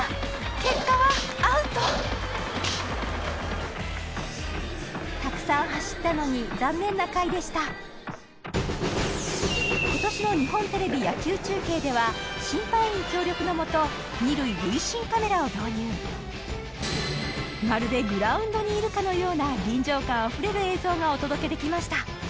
結果はアウトたくさん走ったのに残念な甲斐でした審判員協力のもとまるでグラウンドにいるかのような臨場感あふれる映像がお届けできました